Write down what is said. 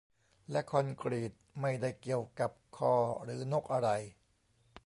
และคอนกรีต ไม่ได้เกี่ยวกับคอ หรือนกอะไร